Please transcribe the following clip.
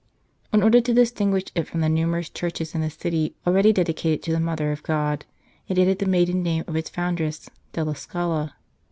In order to distinguish it from the numerous churches in the city already dedicated to the Mother of God, it added the maiden name of its foundress, della Scala.